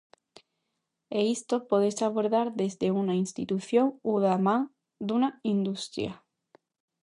E isto pódese abordar desde unha institución ou da man dunha industria.